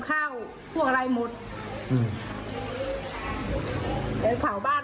นักข่าวเราคุยกับป้าลินะครับป้าลิเนี่ยก็เล่าให้ฟังนะครับ